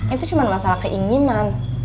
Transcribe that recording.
itu cuma masalah keinginan